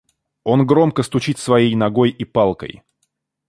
Он громко стучит своей ногой и палкой.